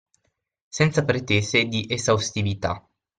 Senza pretese di esaustività